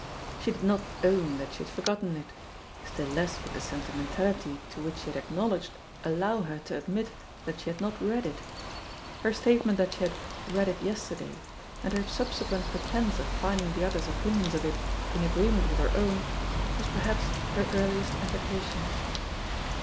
She did not THE POSITION OF PEGGY HARPER 8« own that she had forgotten it; still less would the sentimentality to which she had acknowledged allow her to admit that she had not read it. Her statement that she had "read it yesterday'* and her subsequent pretence of finding the other's opinions of it in agreement with her own was perhaps her earliest affectation.